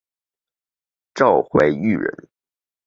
赵怀玉人。